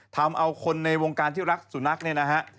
ทำเอาคนในวงการที่รักสุนัขเนี่ยนะฮะ